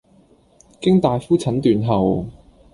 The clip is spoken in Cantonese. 經大夫診斷後